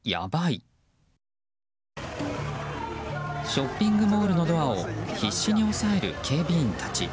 ショッピングモールのドアを必死に押さえる警備員たち。